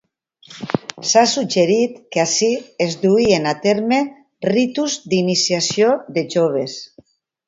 S'ha suggerit que ací es duien a terme ritus d'iniciació de joves.